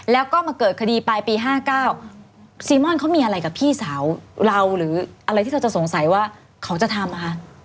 แล้วก็มาเกิดคดีปลายปี๕๙ซีม่อนเขามีอะไรกับพี่สาวเราหรืออะไรที่เธอจะสงสัยว่าเขาจะทำนะคะ